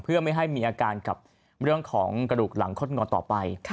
เพื่อไม่ให้มีอาการกับเรื่องของกระดูกหลังคดงอต่อไป